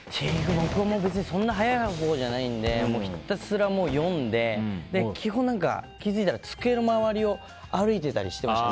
僕も別にそんな早いほうじゃないのでひたすら、読んで基本、気付いたら机の周りを歩いてたりしてました。